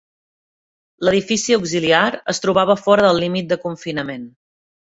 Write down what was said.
L'edifici auxiliar es trobava fora del límit de confinament.